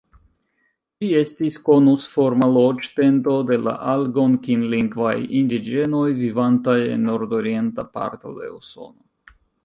Ĝi estis konusforma loĝ-tendo de la algonkin-lingvaj indiĝenoj, vivantaj en nordorienta parto de Usono.